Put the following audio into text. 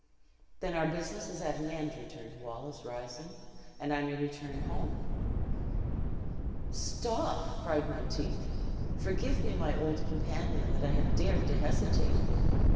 "Then our business is at an end," returned Wallace, rising, "and I may return home." "Stop!" cried Monteith. "Forgive me, my old companion, that I have dared to hesitate.